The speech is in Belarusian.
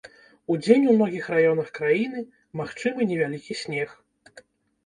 Удзень у многіх раёнах краіны магчымы невялікі снег.